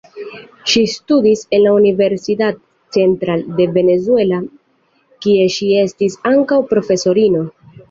Ŝi studis en la Universidad Central de Venezuela, kie ŝi estis ankaŭ profesorino.